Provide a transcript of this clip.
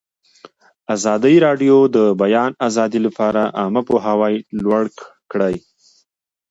ازادي راډیو د د بیان آزادي لپاره عامه پوهاوي لوړ کړی.